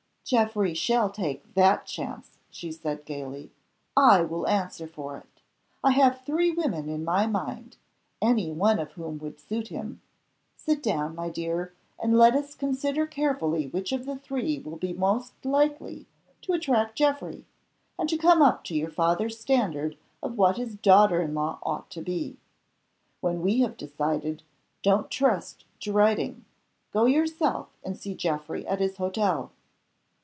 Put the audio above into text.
"Geoffrey shall take that chance," she said, gayly "I will answer for it! I have three women in my mind, any one of whom would suit him. Sit down, my dear, and let us consider carefully which of the three will be most likely to attract Geoffrey, and to come up to your father's standard of what his daughter in law ought to be. When we have decided, don't trust to writing. Go yourself and see Geoffrey at his hotel."